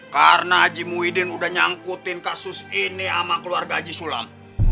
karena haji muhyiddin udah nyangkutin kasus ini sama keluarga haji sulam